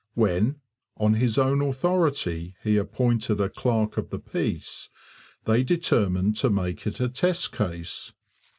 When, on his own authority, he appointed a clerk of the peace, they determined to make it a test case.